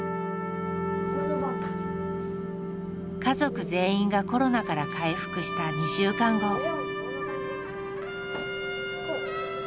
家族全員がコロナから回復した２週間後。